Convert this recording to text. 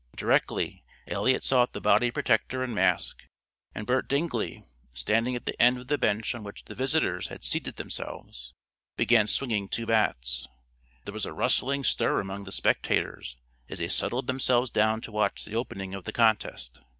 Directly Eliot sought the body protector and mask, and Bert Dingley, standing at the end of the bench on which the visitors had seated themselves, began swinging two bats. There was a rustling stir among the spectators as they settled themselves down to watch the opening of the contest.